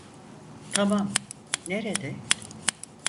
Tamam, nerede?